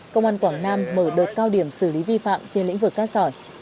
công an quảng nam mở đợt cao điểm xử lý vi phạm trên lĩnh vực cát sỏi